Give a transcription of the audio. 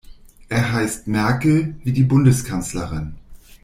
Er heißt Merkel, wie die Bundeskanzlerin.